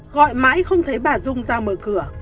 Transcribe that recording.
gọi mãi không thấy bà dung ra mở cửa